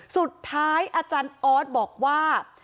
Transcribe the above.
สุดท้ายอาจารย์ออสบอกว่า